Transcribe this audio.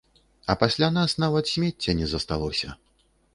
А пасля нас нават смецця не засталося.